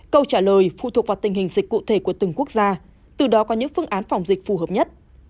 câu trả lời phụ thuộc vào tình hình dịch cụ thể của từng quốc gia từ đó có những phương án phòng dịch phù hợp nhất